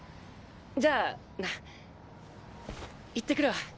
じゃあな行ってくるわ。